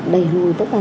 đẩy hồi tất cả